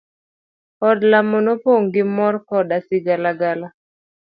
Od lamo nopong' gi mor koda sigalagala.